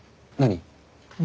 何？